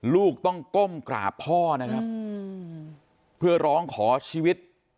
ลูกต้องก้มกราบพ่อนะครับเพื่อร้องขอชีวิต